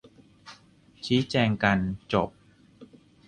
ชี้แจงกัน จบ